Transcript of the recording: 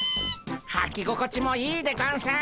はきごこちもいいでゴンス。